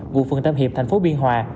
vụ phương tâm hiệp thành phố biên hòa